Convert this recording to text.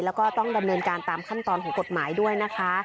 แล้วก็ต้องดำเนินการตามขั้นตอนของกฎหมายด้วยนะคะ